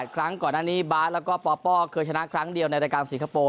ครั้งก่อนหน้านี้บาสแล้วก็ปปเคยชนะครั้งเดียวในรายการสิงคโปร์